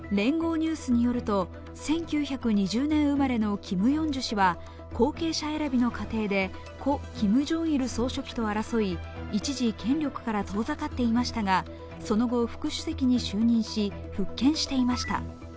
ニュースによると１９２０年生まれのキム・ヨンジュ氏は後継者選びの過程で故キム・ジョンイル主席と争い一時、権力から遠ざかっていましたが、その後、副主席に就任し、復権していました。